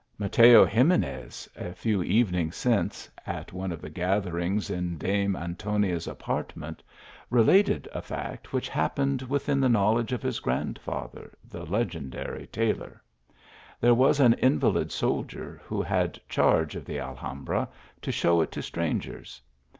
Mateo Ximenes, a few even ings since, at one of the gatherings in Dame An tonia s apartment, related a fact which happened within the knowledge of his grandfather, the legend ary tailor. There was an invalid soldier, who had charge of the Alhambra, to show it to strangers.